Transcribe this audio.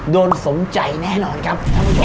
สมใจแน่นอนครับ